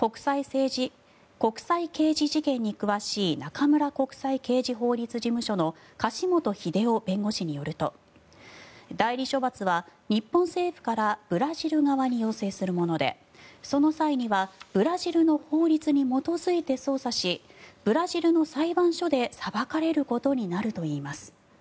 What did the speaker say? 国際刑事事件に詳しい中村国際刑事法律事務所の柏本英生弁護士によると代理処罰は、日本政府からブラジル側に要請するものでその際にはブラジルの法律に基づいて捜査しブラジルの裁判所で裁かれることになるといいます。